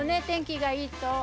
天気がいいと。